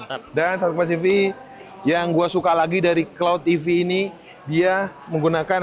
tiga ratus enam puluh nya itu mantap mantap dan selesai yang gua suka lagi dari cloud tv ini dia menggunakan